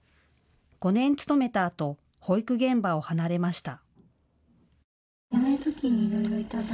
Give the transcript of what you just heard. ５年勤めたあと保育現場を離れました。